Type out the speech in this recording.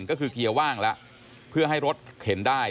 ก็คือเกียร์ว่างแล้วเพื่อให้รถเข็นได้